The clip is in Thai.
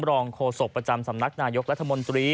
รองโฆษกประจำสำนักนายกรัฐมนตรี